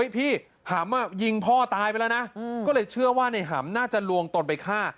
พี่หำยิงพ่อตายไปแล้วนะก็เลยเชื่อว่าในหำน่าจะลวงตนไปฆ่า